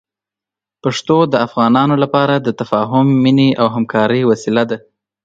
پښتو د افغانانو لپاره د تفاهم، مینې او همکارۍ وسیله ده.